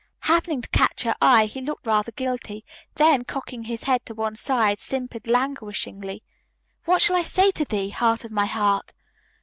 Happening to catch her eye he looked rather guilty, then, cocking his head to one side, simpered languishingly, "What shall I say to thee, heart of my heart?"